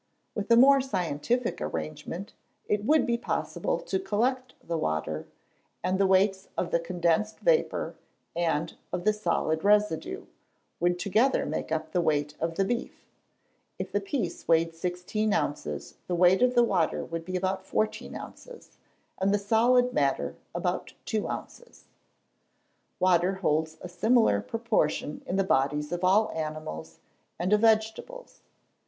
With a more scientific arrangement, it would be possible to collect the water, and the weights of the condensed vapour, and of the solid residue, would together make up the weight of the beef: if the piece weighed sixteen ounces, the weight of the water would be about 14 ounces, and the solid matter about two ounces. Water holds a similar proportion in the bodies of all animals, and of vegetables.